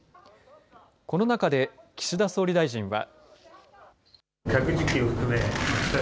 この中で岸田総理大臣は。